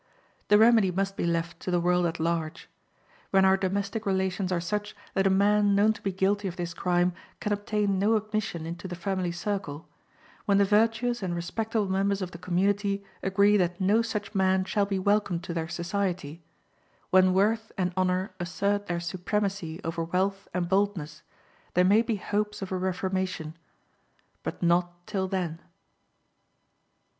The remedy must be left to the world at large. When our domestic relations are such that a man known to be guilty of this crime can obtain no admission into the family circle; when the virtuous and respectable members of the community agree that no such man shall be welcomed to their society; when worth and honor assert their supremacy over wealth and boldness, there may be hopes of a reformation, but not till then.